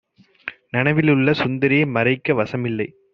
நனவிலுள்ள சுந்தரியை மறைக்க வசமில்லை!